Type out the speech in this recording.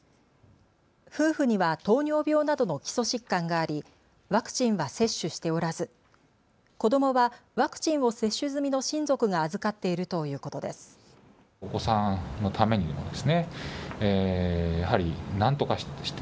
夫婦には糖尿病などの基礎疾患がありワクチンは接種しておらず、子どもはワクチンを接種済みの親族が預かっているということです。